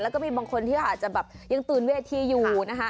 แล้วก็มีบางคนที่เขาอาจจะแบบยังตื่นเวทีอยู่นะคะ